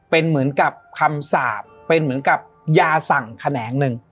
เป็นเหมือนกับคำสาปเป็นเหมือนกับยาสั่งแขนงหนึ่ง